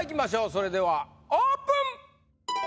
それではオープン！